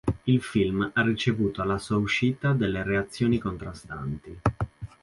Il film ha ricevuto alla sua uscita delle reazioni contrastanti.